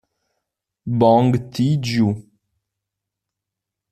Bong Tae-gyu